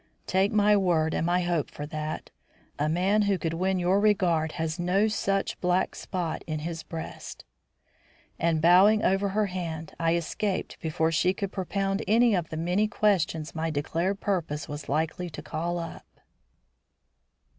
"Take my word and my hope for that. A man who could win your regard has no such black spot in his breast." And, bowing over her hand, I escaped before she could propound any of the many questions my declared purpose was likely to call up.